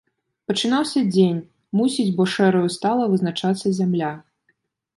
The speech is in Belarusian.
Пачынаўся дзень, мусіць, бо шэраю стала вызначацца зямля.